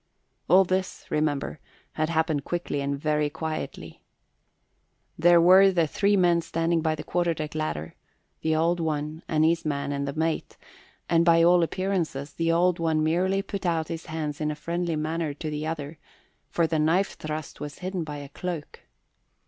All this, remember, had happened quickly and very quietly. There were the three men standing by the quarter deck ladder the Old One and his man and the mate and by all appearances the Old One merely put out his hands in a friendly manner to the other, for the knife thrust was hidden by a cloak.